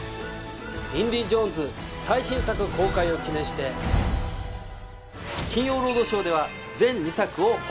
『インディ・ジョーンズ』最新作公開を記念して『金曜ロードショー』では。